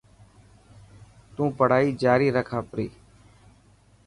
تون پڙهائي جاري رک آپري.